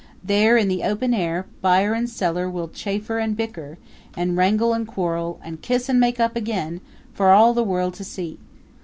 There, in the open air, buyer and seller will chaffer and bicker, and wrangle and quarrel, and kiss and make up again for all the world to see.